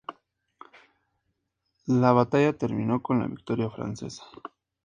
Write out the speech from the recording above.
La batalla terminó con la victoria francesa.